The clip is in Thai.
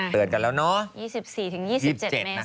เปิดกันแล้วเนอะ